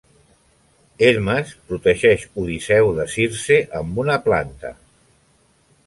Hermes protegeix Odisseu de Circe amb una planta.